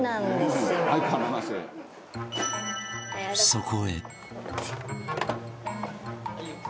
そこへ